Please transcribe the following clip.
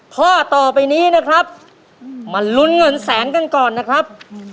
ข้อต่อไปนี้นะครับมาลุ้นเงินแสนกันก่อนนะครับ